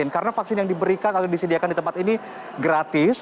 karena vaksin yang diberikan atau disediakan di tempat ini gratis